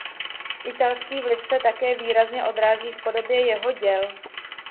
Italský vliv se také výrazně odráží v podobě jeho děl.